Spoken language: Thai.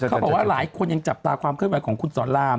เขาบอกว่าหลายคนยังจับตาความเคลื่อนไหวของคุณสอนราม